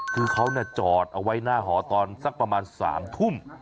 คือเขาจอดเอาไว้หน้าหอตอนสักประมาณ๓ทุ่ม